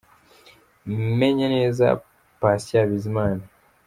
Menye neza – Patient Bizimana c.